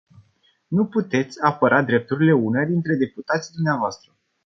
Nu puteți apăra drepturile unuia dintre deputații dvs.